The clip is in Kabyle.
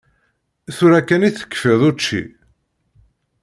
Tura kan i tekfiḍ učči?